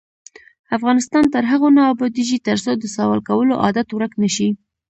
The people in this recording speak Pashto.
افغانستان تر هغو نه ابادیږي، ترڅو د سوال کولو عادت ورک نشي.